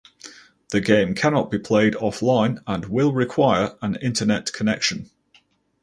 The game cannot be played offline and will require an internet connection.